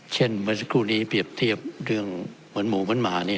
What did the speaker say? เมื่อสักครู่นี้เปรียบเทียบเรื่องเหมือนหมูเหมือนหมา